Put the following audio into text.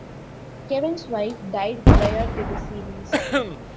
Kevin's wife died prior to the series.